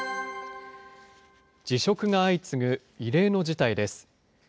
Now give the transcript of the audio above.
辞職が相次ぐ異例の事態です。